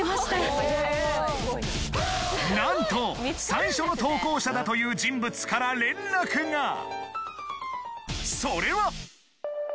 何と最初の投稿者だという人物から連絡が！